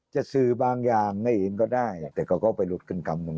จะสื่อบางอย่างให้เองก็ได้แต่เขาก็ไปหลุดกันคำหนึ่ง